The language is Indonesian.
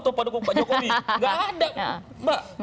atau pendukung pak jokowi gak ada mbak